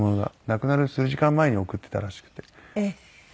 亡くなる数時間前に送ってたらしくて。